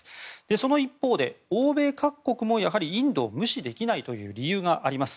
その一方で欧米各国もやはりインドを無視できないという理由があります。